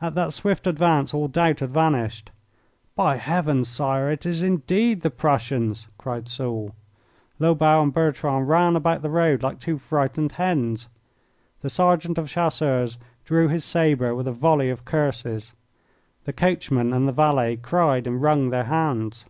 At that swift advance all doubt had vanished. "By heavens, Sire, it is indeed the Prussians!" cried Soult. Lobau and Bertrand ran about the road like two frightened hens. The sergeant of Chasseurs drew his sabre with a volley of curses. The coachman and the valet cried and wrung their hands.